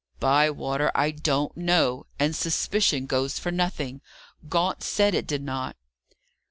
"Bywater, I don't know; and suspicion goes for nothing. Gaunt said it did not."